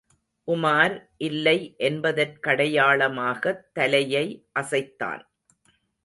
உமார் இல்லை என்பதற்கடையாளமாகத் தலையை அசைத்தான்.